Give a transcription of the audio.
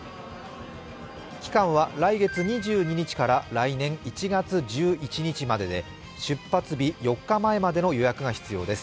期間は来月２２日から来年１月１１日までで、出発日４日前までの予約が必要です。